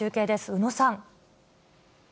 宇野さん。